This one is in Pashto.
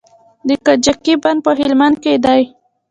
د کجکي بند په هلمند کې دی